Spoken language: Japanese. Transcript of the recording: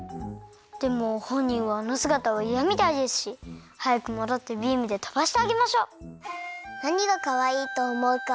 でもほんにんはあのすがたはいやみたいですしはやくもどってビームでとばしてあげましょう。